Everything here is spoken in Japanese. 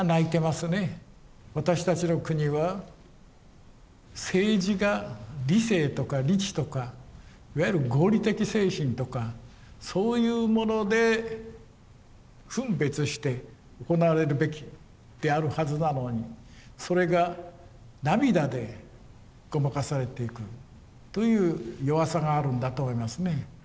私たちの国は政治が理性とか理知とかいわゆる合理的精神とかそういうもので分別して行われるべきであるはずなのにそれが涙でごまかされていくという弱さがあるんだと思いますね。